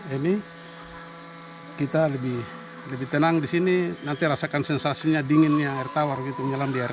ini kita lebih lebih tenang di sini nanti rasakan sensasinya dinginnya air tawar gitu nyelam di air